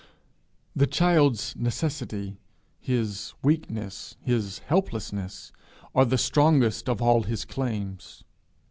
The child's necessity, his weakness, his helplessness, are the strongest of all his claims.